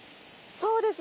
そうですね。